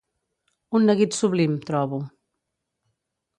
Un neguit sublim, trobo.